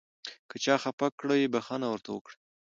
که چا خفه کړئ بښنه ورته وکړئ .